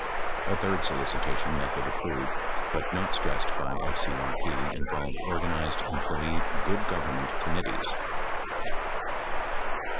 A third solicitation method approved, but not stressed by FCRP, involved organized employee "good government" committees.